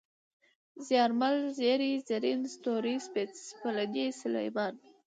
زيارمل ، زېرى ، زرين ، ستوری ، سپېلنی ، سلېمان